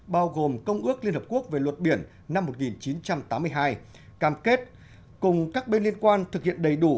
bao gồm công ước liên hợp quốc về luật biển năm một nghìn chín trăm tám mươi hai cam kết cùng các bên liên quan thực hiện đầy đủ